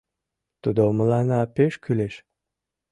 Тудо мыланна пеш кӱлеш.